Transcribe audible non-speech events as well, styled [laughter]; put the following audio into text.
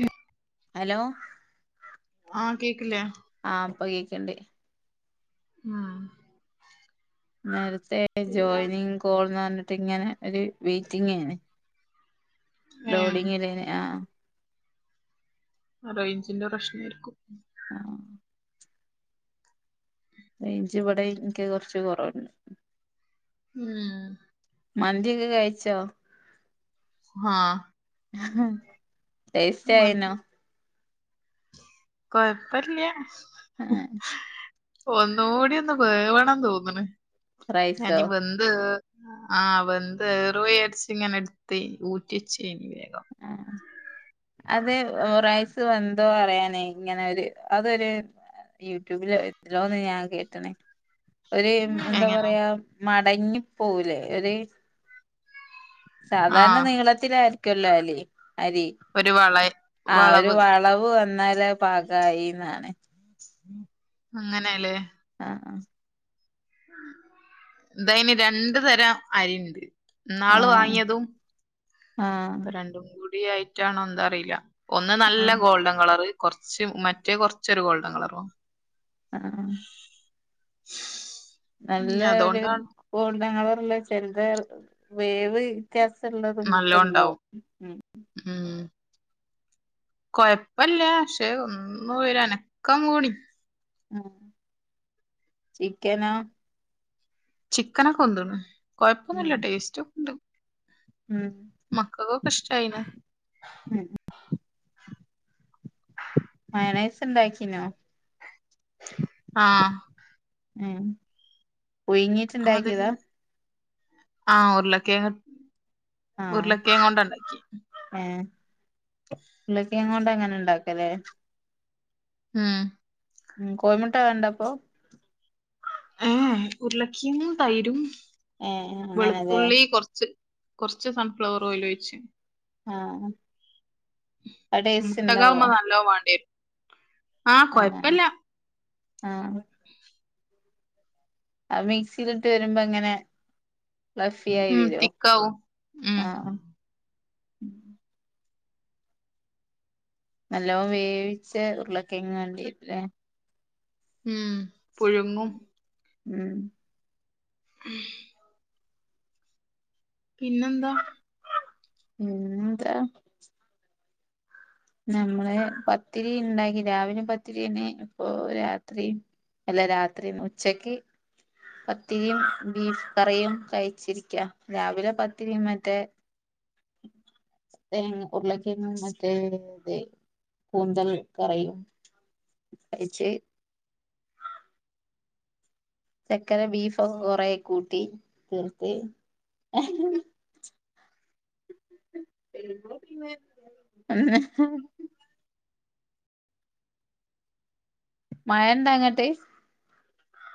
ഉം അലോ ആ കേക്ക്ല്ലേ ആഹ് പ്പ കേക്ക്ണ്ട് ഉം നേരത്തെ പിന്നെ ജോയിനിങ് കോൾ ന്നർഞ്ഞിട്ടിങ്ങനെ ഒരു വെയ്റ്റിങ്ങേയ്ന് ഏഹ് ലോഡിങ്ങിലേന് ആഹ് റൈഞ്ചിന്റെ പ്രശ്നേര്ക്കും ആഹ് റെയ്ഞ്ചിവടെ ഇൻക്ക് കൊർച്ച് കൊറവ്ണ്ട് ഉം മന്ത്യെക്കെ കയ്ച്ചോ ആഹ് ടേസ്റ്റായ്നോ മന്തി കൊയപ്പല്യാ [unintelligible] ഒന്നൂടിയൊന്ന് വേവണം തോന്ന്ണ് ഞാ റൈസോ ഇഞ്ഞി വെ ന്ത് ആ വെന്തേറുവോ വിചാര്ചിങ്ങനെ ഇട്ത്തെ ഊറ്റ്യേചീനി വേഗം ആഹ് അത് റൈസ് വെന്തോ അറിയാനേ ഇങ്ങനെ ഒര് അതൊര് യൂട്യൂബിലോ എത്തിലോന്ന് ഞാൻ കേട്ട്ണ് ഒര് എന്താ എങ്ങനെ പറയാ മടങ്ങി പോവുലേ ഒര് സാധാര്ണ ആഹ് നീളത്തിലായ്രിക്കൊല്ലോ അലി അരി ഒരു വള ആഹ് ഒര് വളവ് വന്നാല് പാകായീന്നാണ് ഉം അങ്ങനേലേ ആഹ് ആഹ് ഇതയ്ന് രണ്ട് തരം അരിണ്ട് ഇന്നാള് ആഹ് വാങ്യെതും ആഹ് പ്പൊ രണ്ടും കൂടി ആയ്റ്റാണോ ന്ത അറീല ഒന്ന് നല്ല ആഹ് ഗോൾഡൻ കളറ് കൊർച്ച് മറ്റേ കൊർച്ചൊരു ഗോൾഡൻ കളറു വാ അ അ ആഹ് നല്ല ഉം ഒര് അതുകൊണ്ടാണ് ഗോൾഡൻ കളറ്ള്ളത് ചെലത് വേവ് ത്യാസള്ളതും നല്ലോം ഉണ്ടാവും ഒക്കെണ്ടാവും ഉം ഉം കൊയപ്പല്ല്യ ഷെ ഒന്ന് ഒരനക്കം കൂടി ആണോ ചിക്കനോ ചിക്കനൊക്കെ വെന്ത്ണ് ഉം കൊയപ്പൊന്നുല്ല ടേസ്റ്റോക്കെണ്ട് ഉം മക്കക്കൊക്കെ ഇഷ്ടായ്ന് ഉം മയണൈസ് ഇണ്ടാക്കിനോ ആഹ് ഏഹ് അതിൽ ആ ഉർളക്കെയ്ങ്ങ് ആഹ ഉര്ളക്കേങ്ങോണ്ടാണ്ടാക്കി ഏഹ് [inaudible] ളക്കെങ്ങോണ്ടങ്ങനെ ഇണ്ടാക്കലേ ഉം ഉം കോയ്മുട്ട വേണ്ടപ്പൊ ഏഹെ ഉര്ളക്കീങ്ങും തൈരും ഏഹ് അങ്ങനെല്ലേ വെളുത്തുള്ളി കൊർച്ച് കൊർച്ച് സൺഫ്ലവർ ഓയ്ലോയ്ച്ച് ആഹ് അത് ടെസ്റ്റിണ്ടാവോ ല്ലോം വാണ്ടിയെ ആഹ് ആഹ് [inaudible] ആ മിക്സിയിലിട്ട് വരുമ്പോ ഇങ്ങനെ [unintelligible] ഉം വരും തിക്കാവും ഉം ആഹ് നല്ലോം വേവിച്ച് ഉരുളൊക്കെങ്ങും [unintelligible] ഉം പുഴുങ്ങും ഉം ഉം പിന്നെന്താ ഉം എന്താ നമ്മള് പത്തിരി ഇണ്ടാക്കി രാവിലെ പത്തിരിനി ഇപ്പൊ രാത്രി അല്ല രാത്രിയും ഉച്ചക്ക് പത്തിരിയും ബീഫ് കറിയും കഴിച്ചിരിക്കാ രാവിലെ പത്തിരിയും മറ്റേ [inaudible] ഉർളക്കിങ്ങും മറ്റേ ദേ കൂന്തൽ കറിയും കഴിച്ച് ചക്കര ബീഫൊ കൊറേ കൂട്ടി [unintelligible] ഹ ഹ മയണ്ടോ അങ്ങ്ട്ട്